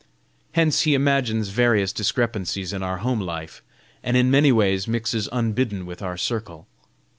Hence he imagines various discrepancies in our home life, and in many ways mixes unbidden with our circle.